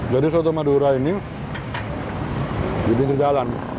jadi soto madura ini jadi terjalan